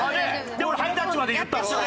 で俺ハイタッチまで言ったでしょ？